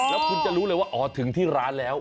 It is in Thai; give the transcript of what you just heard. แล้วคุณจะรู้เลยว่าอ๋อถึงที่ร้านแล้ว